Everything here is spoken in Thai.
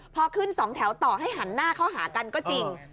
พอขึ้นสองแถวต่อให้หันหน้าเข้าหากันก็จริง